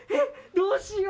どうしよう。